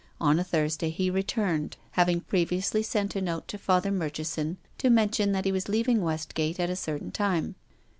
On a Thursday he returned, having previously sent a note to Father Murchi son to mention that he was leaving Westgate at a certain time.